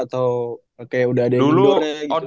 atau kayak udah ada yang digoreng gitu